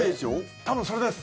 多分それです。